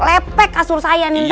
lepek kasur saya nanti